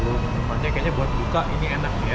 tuh makanya kayaknya buat buka ini enak nih ya